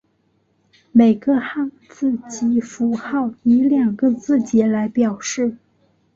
每个汉字及符号以两个字节来表示。